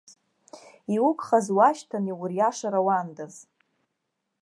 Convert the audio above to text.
Иугхаз уашьҭан иуриашар ауандаз.